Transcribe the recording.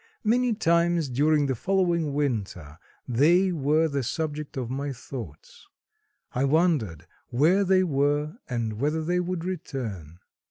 Many times during the following winter they were the subject of my thoughts. I wondered where they were and whether they would return.